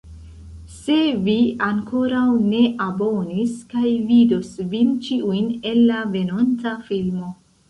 Se vi ankoraŭ ne abonis kaj vidos vin ĉiujn en la venonta filmo